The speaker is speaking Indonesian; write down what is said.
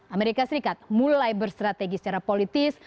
amerika serikat mulai berstrategi secara politis